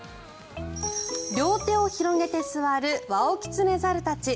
両手を広げて座るワオキツネザルたち。